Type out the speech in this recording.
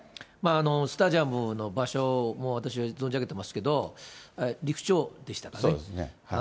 スタジアムの場所も私は存じ上げてますけど、利府町でしたかね。